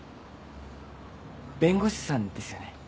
弁護士さんですよね。